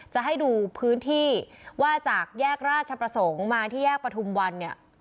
จะให้ดูพื้นที่ว่าจากแยกราชประสงค์มาที่แยกประทุมวันเนี่ย